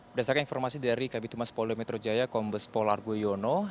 berdasarkan informasi dari kabinetumas polri metro jaya kombespol argo yono